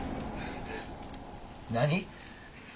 何？